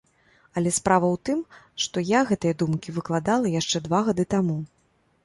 Але справа ў тым, што я гэтыя думкі выкладала яшчэ два гады таму.